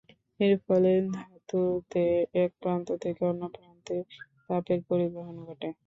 এর ফলে ধাতুতে এক প্রান্ত থেকে অন্য প্রান্তে তাপের পরিবহন ঘটে।